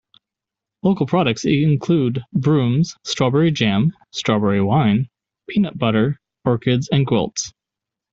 Local products include brooms, strawberry jam, strawberry wine, peanut butter, orchids and quilts.